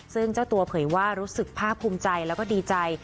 ซึ่งเจ้าตัวเผยว่ารู้สึกภาคภูมิใจแล้วก็ดีใจ